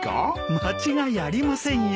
間違いありませんよ。